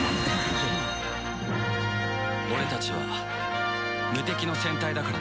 俺たちは無敵の戦隊だからね。